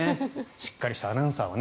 しっかりしたアナウンサーは。